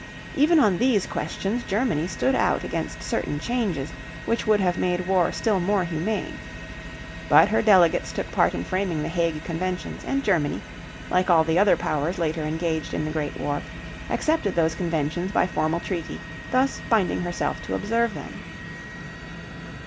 Even on these questions Germany stood out against certain changes which would have made war still more humane. But her delegates took part in framing the Hague Conventions; and Germany, like all the other powers later engaged in the Great War, accepted those conventions by formal treaty, thus binding herself to observe them.